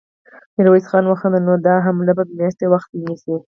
ميرويس خان وخندل: نو دا حملې به مياشتې وخت ونيسي.